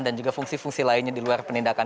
dan juga fungsi fungsi lainnya di luar penindakan